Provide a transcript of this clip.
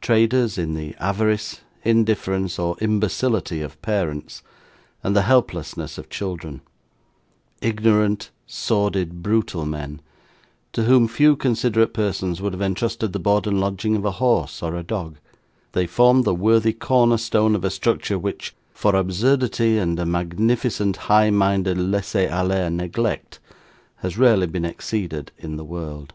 Traders in the avarice, indifference, or imbecility of parents, and the helplessness of children; ignorant, sordid, brutal men, to whom few considerate persons would have entrusted the board and lodging of a horse or a dog; they formed the worthy cornerstone of a structure, which, for absurdity and a magnificent high minded LAISSEZ ALLER neglect, has rarely been exceeded in the world.